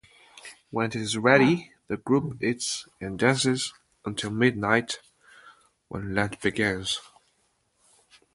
When it is ready, the group eats and dances until midnight, when Lent begins.